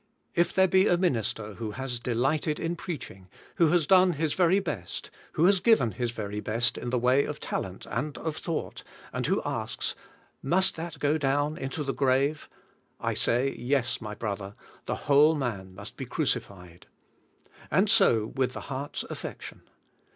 If there be a minister who has delighted in preaching, who has done his verj/ best, who has given his very best in the way of talent and of thought, and who asks, "Must that go down into DEAD WITH ClfRlST \Sy the grave?*' I say, '"Yes, my brother, the whole maj must be crucified." And so with the heart's affection.